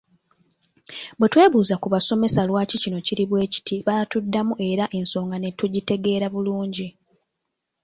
Bwe twebuuza ku basomesa lwaki kino kiri bwe kiti baatuddamu era ensonga ne tugitegeera bulungi.